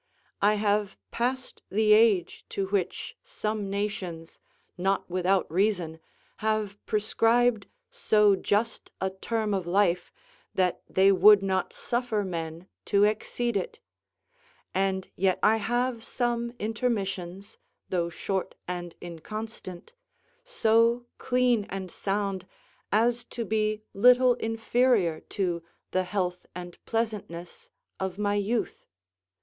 I have passed the age to which some nations, not without reason, have prescribed so just a term of life that they would not suffer men to exceed it; and yet I have some intermissions, though short and inconstant, so clean and sound as to be little inferior to the health and pleasantness of my youth.